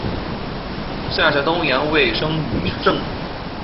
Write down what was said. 下嫁东阳尉申翊圣。